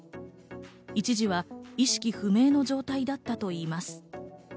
一時は意識不明の状態だったといいます。